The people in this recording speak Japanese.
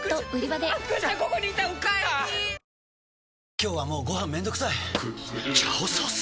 今日はもうご飯めんどくさい「炒ソース」！？